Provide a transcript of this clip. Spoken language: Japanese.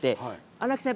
荒木さん